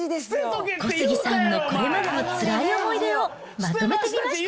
小杉さんのこれまでのつらい思い出をまとめてみました。